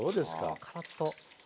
あカラッと。